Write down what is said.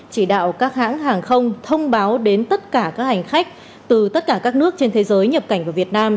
chỉ đạo các hãng hàng không thông báo đến tất cả các hành khách từ tất cả các nước trên thế giới nhập cảnh vào việt nam